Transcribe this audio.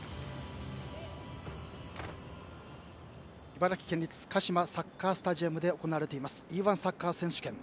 茨城県立カシマサッカースタジアムで行われていますＥ‐１サッカー選手権。